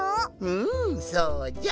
うんそうじゃ。